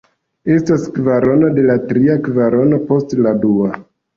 Estas kvarono de la tria kvarono post la dua.